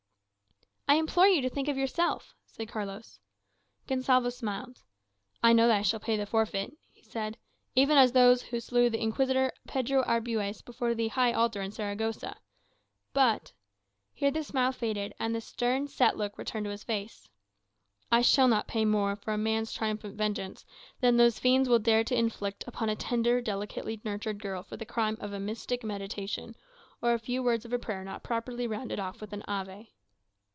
"I implore you to think of yourself," said Carlos. Gonsalvo smiled. "I know I shall pay the forfeit," he said, "even as those who slew the Inquisitor Pedro Arbues before the high altar in Saragossa, But" here the smile faded, and the stern set look returned to his face "I shall not pay more, for a man's triumphant vengeance, than those fiends will dare to inflict upon a tender, delicately nurtured girl for the crime of a mystic meditation, or a few words of prayer not properly rounded off with an Ave."